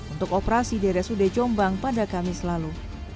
untuk operasi di rsud jombang pada kamis lalu